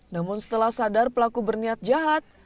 namun setelah sadar pelaku berniat jahat